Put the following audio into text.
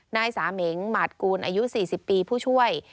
นายสาเหม็งหมาดกูลอายุ๔๐ปีผู้ช่วย